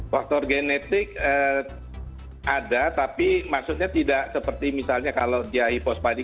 faktor genetik ada tapi maksudnya tidak seperti misalnya kalau dia hipospadi